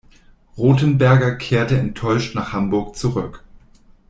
Rothenberger kehrte enttäuscht nach Hamburg zurück.